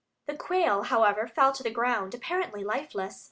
The quail, however, fell to the ground, apparently lifeless.